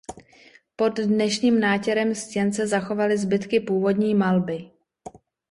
Pod dnešním nátěrem stěn se zachovaly zbytky původní malby.